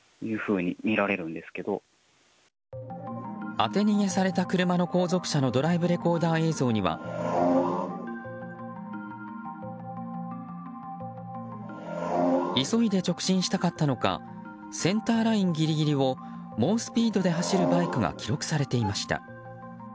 当て逃げされた車の後続車のドライブレコーダー映像には急いで直進したかったのかセンターラインギリギリを猛スピードで走るバイクが記録されていました。